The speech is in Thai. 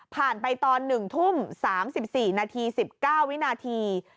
ไปตอน๑ทุ่ม๓๔นาที๑๙วินาที